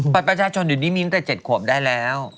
ประชาชนอยู่นี้มีตั้งแต่๗ขวบได้แล้ว